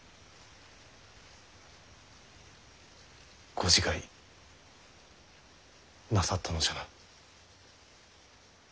ご自害なさったのじゃな。